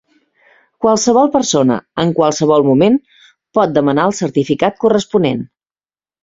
Qualsevol persona, en qualsevol moment, pot demanar el certificat corresponent.